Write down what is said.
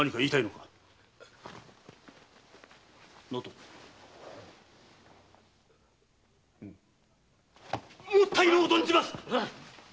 もったいのう存じます！